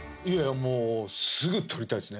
もうすぐ取りたいですね